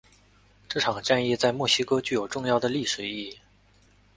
这场战役在墨西哥具有重要的历史意义。